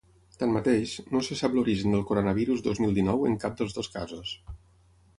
Tanmateix, no se sap l’origen del coronavirus dos mil dinou en cap dels dos casos.